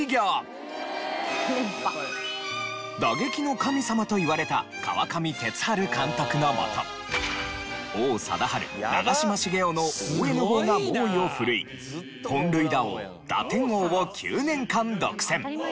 打撃の神様といわれた川上哲治監督のもと王貞治長嶋茂雄のＯＮ砲が猛威を振るい本塁打王打点王を９年間独占。